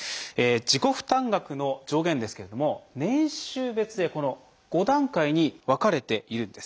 自己負担額の上限ですけれども年収別で５段階に分かれているんです。